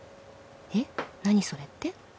えっ何それって？